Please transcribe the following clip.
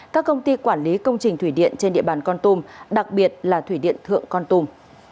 các công ty quản lý công trình thủy điện trên địa bàn con tum đặc biệt là thủy điện thượng con tum